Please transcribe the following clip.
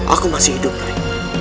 aku masih hidup rai